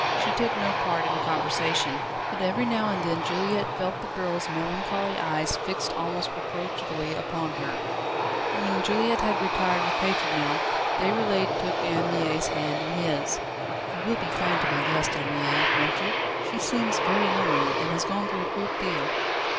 She took no part in the conversation, but every now and then Juliette felt the girl's melancholy eyes fixed almost reproachfully upon her. When Juliette had retired with Pétronelle, Déroulède took Anne Mie's hand in his. "You will be kind to my guest, Anne Mie, won't you? She seems very lonely, and has gone through a great deal."